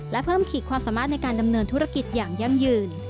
และเพิ่มขีดความสามารถในการดำเนินธุรกิจอย่างยั่งยืน